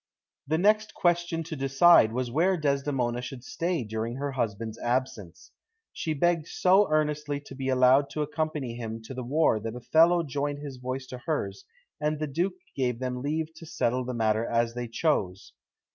The next question to decide was where Desdemona should stay during her husband's absence. She begged so earnestly to be allowed to accompany him to the war that Othello joined his voice to hers, and the Duke gave them leave to settle the matter as they chose.